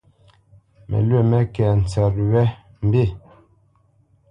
Mǝlwǐ mé kɛ́ tsǝ́tʼ wǝ́, mbí.